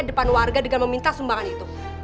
di depan warga dengan meminta sumbangan itu